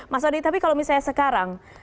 mas adi tapi kalau misalnya sekarang